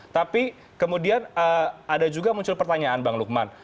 tapi kemudian ada juga muncul pertanyaan bang lukman